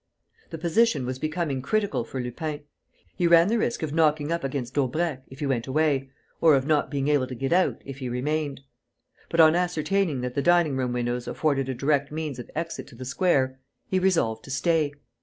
The position was becoming critical for Lupin. He ran the risk of knocking up against Daubrecq, if he went away, or of not being able to get out, if he remained. But, on ascertaining that the dining room windows afforded a direct means of exit to the square, he resolved to stay.